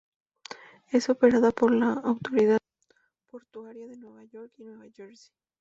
Es operada por la Autoridad Portuaria de Nueva York y Nueva Jersey.